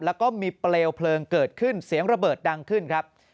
แล้วก็มีเปลวเพลิงเกิดขึ้นเสียงระเบิดดังขึ้นครับ